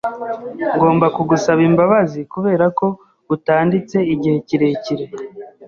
Ngomba kugusaba imbabazi kuberako utanditse igihe kirekire.